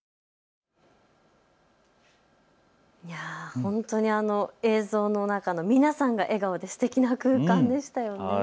ほんとにあの映像の中の皆さんが笑顔ですてきな空間でしたよね。